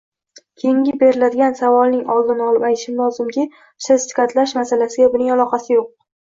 Keyingi beriladigan savolning oldini olib aytishim lozimki, sertifikatlash masalalariga buning aloqasi yo‘q.